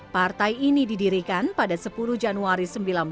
partai ini didirikan pada sepuluh januari seribu sembilan ratus empat puluh